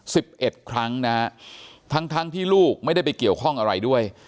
สิบเอ็ดครั้งนะฮะทั้งทั้งที่ลูกไม่ได้ไปเกี่ยวข้องอะไรด้วย